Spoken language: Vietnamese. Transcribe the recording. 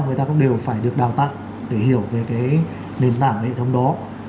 người ta cũng đều phải được đào tạo để hiểu về cái nền tảng hệ thống đó